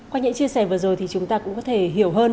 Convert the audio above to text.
qua những chia sẻ vừa rồi thì chúng ta cũng có thể hiểu hơn